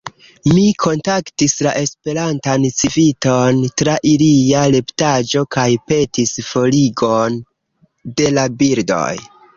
Mi kontaktis la Esperantan Civiton tra ilia retpaĝo kaj petis forigon de la bildoj.